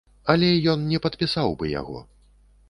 Але ён і не падпісаў бы яго.